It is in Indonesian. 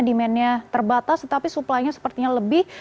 demandnya terbatas tapi supplynya sepertinya lebih